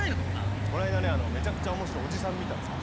この間ねめちゃくちゃ面白いおじさん見たんですよ。